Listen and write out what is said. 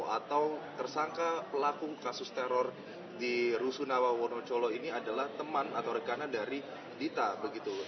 atau tersangka pelaku kasus teror di rusunawa wonocolo ini adalah teman atau rekanan dari dita begitu